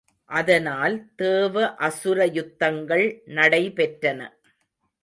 அதனால் தேவ அசுர யுத்தங்கள் நடைபெற்றன.